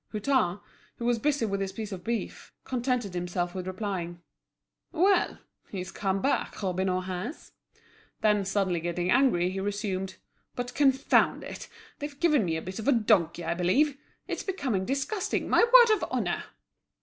Hutin, who was busy with his piece of beef, contented himself with replying: "Well! he's come back, Robineau has." Then, suddenly getting angry, he resumed: "But confound it! they've given me a bit of a donkey, I believe! It's becoming disgusting, my word of honour!"